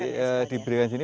luasnya diberikan di sini